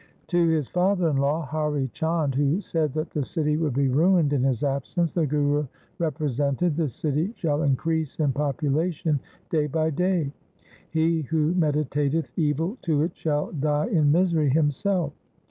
To his father in law Hari Chand, who said that the city would be ruined in his absence, the Guru represented, ' The city shall increase in population day by day. He who meditateth evil to it shall die in misery himself.